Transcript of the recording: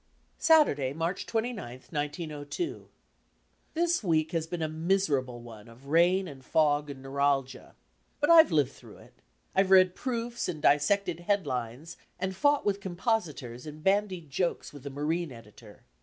Saturday, March 29, 1902 This week has been a miserable one of rain and fog and neuralgia. But I've lived through it. I've read proofs and disseaed headlines and fought with compositors and ban died jokes with the marine editor.